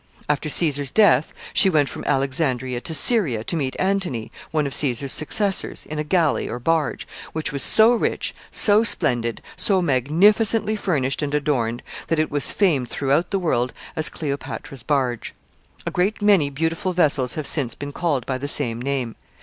After Caesar's death, she went from Alexandria to Syria to meet Antony, one of Caesar's successors, in a galley or barge, which was so rich, so splendid, so magnificently furnished and adorned, that it was famed throughout the world as Cleopatra's barge. A great many beautiful vessels have since been called by the same name.